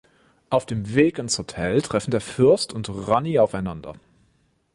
Auf dem Weg ins Hotel treffen der Fürst und Ronny aufeinander.